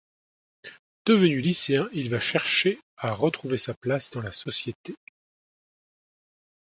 Devenu lycéen, il va chercher à retrouver sa place dans la société.